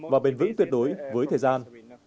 và bền vững tuyệt đối với thời gian